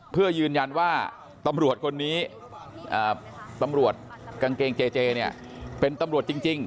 เพื่อยืนยันว่าตำรวจคนนี้ตำรวจกางเกงเจเจเนี่ยเป็นตำรวจจริง